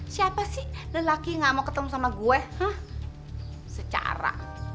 siapa sih lelaki gak mau ketemu sama gue secara